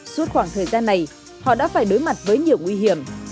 suốt khoảng thời gian này họ đã phải đối mặt với nhiều nguy hiểm